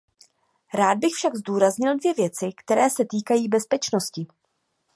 Rád bych však zdůraznil dvě věci, které se týkají bezpečnosti.